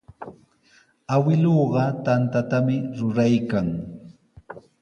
Awkilluuqa tantatami ruraykan.